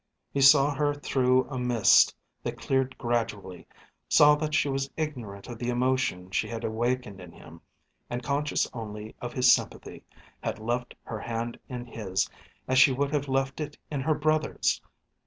He saw her through a mist that cleared gradually, saw that she was ignorant of the emotion she had awakened in him, and, conscious only of his sympathy, had left her hand in his as she would have left it in her brother's.